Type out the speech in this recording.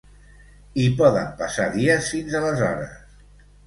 I poden passar dies fins aleshores.